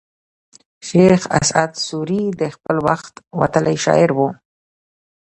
شېخ اسعد سوري د خپل وخت وتلى شاعر وو.